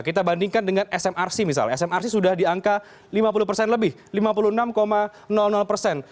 kita bandingkan dengan smrc misalnya smrc sudah di angka lima puluh persen lebih lima puluh enam persen